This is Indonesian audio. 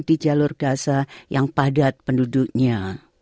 di jalur gaza yang padat penduduknya